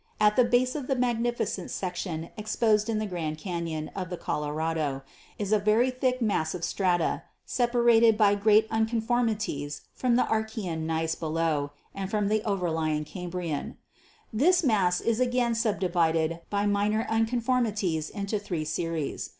At the base of the magnificent section exposed in the Grand Canon of the Colorado is a very thick mass of strata, sep arated by great unconformities from the Archaean gneiss below and from the overlying Cambrian. This mass is again subdivided by minor unconformities into three series.